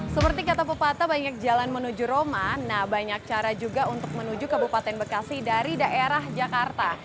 seperti kata pepata banyak jalan menuju roma nah banyak cara juga untuk menuju kabupaten bekasi dari daerah jakarta